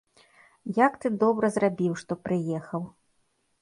Як ты добра зрабіў, што прыехаў.